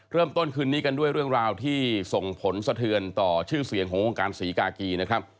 เริ่มต้นคืนนี้กันด้วยเรื่องราวที่ส่งผลสะเทือนต่อชื่อเสียงของวงการศรีกากีนะครับ